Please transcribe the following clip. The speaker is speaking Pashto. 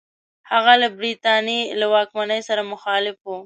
هغه له برټانیې له واکمنۍ سره مخالف وو.